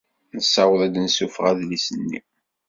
Nessaweḍ ad d-nessuffeɣ adlis-nni.